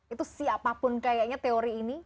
itu siapapun kayaknya teori ini